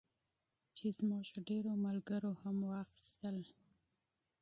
چې زموږ ډېرو ملګرو هم واخیستل.